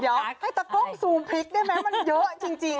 เดี๋ยวให้ตะก้องซูมพริกได้ไหมมันเยอะจริง